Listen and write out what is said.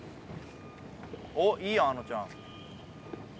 おっいいやんあのちゃん。